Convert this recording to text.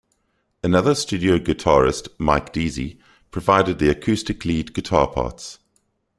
Another studio guitarist, Mike Deasy, provided the acoustic lead guitar parts.